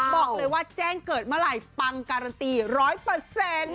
บอกเลยว่าแจ้งเกิดเมื่อไหร่ปังการันตีร้อยเปอร์เซ็นต์